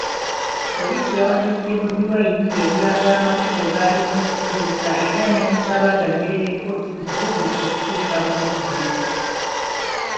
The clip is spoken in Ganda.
Poliisi yawandiikidde BobiWine ng'emulaga amakubo g'alina okukozesa era n'emusaba aganywerereko kimusobozese okutuuka mu budde.